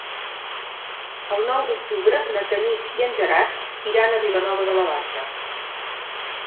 El nou d'octubre na Tanit i en Gerard iran a Vilanova de la Barca.